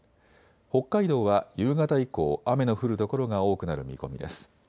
北海道は夕方以降、雨の降る所が多くなる見込みです。